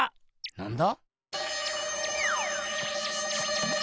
なんだ？